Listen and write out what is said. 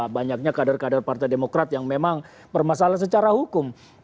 banyaknya kader kader partai demokrat yang memang bermasalah secara hukum